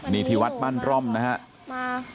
นี่ที่วัดมั่นร่อมนะฮะเลยมา